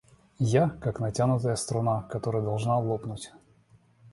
Я — как натянутая струна, которая должна лопнуть.